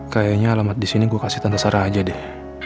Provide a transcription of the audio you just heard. kayhanya alamat disini gue kasih herausforder aja deh